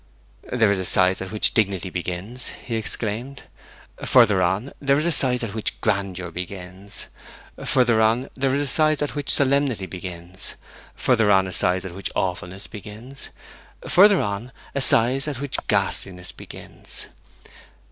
'There is a size at which dignity begins,' he exclaimed; 'further on there is a size at which grandeur begins; further on there is a size at which solemnity begins; further on, a size at which awfulness begins; further on, a size at which ghastliness begins.